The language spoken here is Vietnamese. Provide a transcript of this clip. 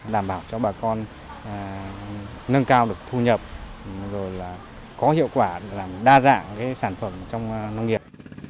đảm bảo cho bà con nâng cao được thu nhập rồi là có hiệu quả để làm đa dạng sản phẩm trong nông nghiệp